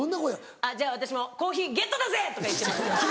「あっじゃあ私もコーヒーゲットだぜ！」とか言ってます。